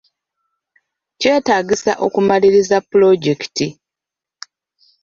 Kyetaagisa okumaliriza pulojekiti.